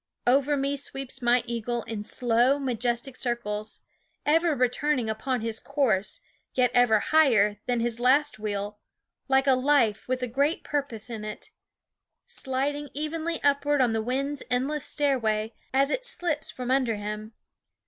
Over me sweeps my eagle in slow, majestic circles ; ever returning upon his course, yet ever higher than his last wheel, like a life with a great purpose in it; sliding evenly upward on the wind's endless stairway as iv slips from under him.